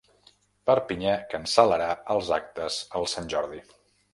Perpinyà cancel·larà els actes el Sant Jordi.